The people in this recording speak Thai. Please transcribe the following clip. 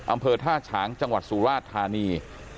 อำเภอท่าฉางจังหวัดสุราชธานี